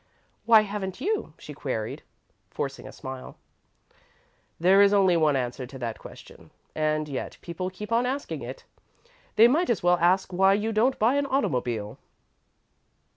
"Why haven't you?" she queried, forcing a smile. "There is only one answer to that question, and yet people keep on asking it. They might as well ask why you don't buy an automobile."